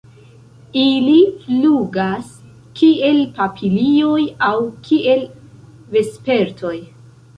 Ili flugas kiel papilioj aŭ kiel vespertoj.